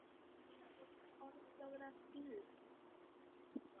Ésta además incluye a Eddie Vedder en la armónica.